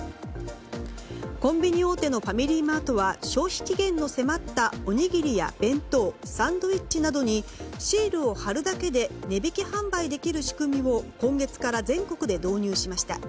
コンビニ大手のファミリーマートは消費期限の迫ったおにぎりや弁当サンドイッチなどにシールを貼るだけで値引き販売できる仕組みを今月から全国で導入しました。